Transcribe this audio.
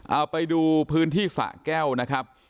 เอาไปดูพื้นที่สะแก้วนะครับ